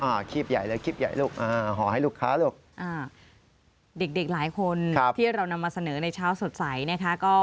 อ้าวคีบใหญ่เลยคีบใหญ่ลูกห่อให้ลูกค้าลูก